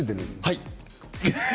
はい。